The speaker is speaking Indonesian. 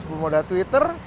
belum ada twitter